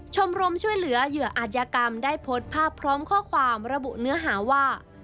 ชมรมช่วยเหลือเหยื่ออาจยากรรมได้โพสต์ภาพพร้อมข้อความระบุเนื้อหาว่า